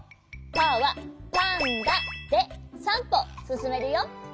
パーはパンダで３ぽすすめるよ！